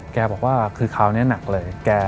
แกบอกว่าคือคราวนี้หนักเลย